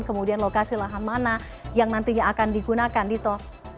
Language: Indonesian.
kemudian lokasi lahan mana yang nantinya akan digunakan dito